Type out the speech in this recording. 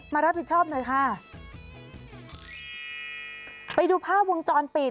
มารับผิดชอบหน่อยค่ะไปดูภาพวงจรปิด